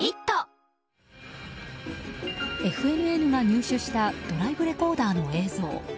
ＦＮＮが入手したドライブレコーダーの映像。